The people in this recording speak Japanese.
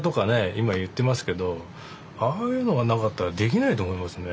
今言ってますけどああいうのがなかったらできないと思いますね